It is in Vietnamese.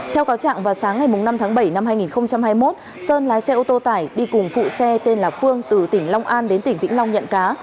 theo cáo trạng vào sáng ngày năm tháng bảy năm hai nghìn hai mươi một sơn lái xe ô tô tải đi cùng phụ xe tên là phương từ tỉnh long an đến tỉnh vĩnh long nhận cá